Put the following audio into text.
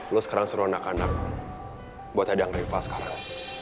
lo sekarang suruh anak anak buat hadang reva sekarang